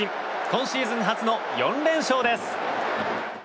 今シーズン初の４連勝です。